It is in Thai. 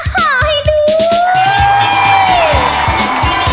โปรดติดตามตอนต่อไป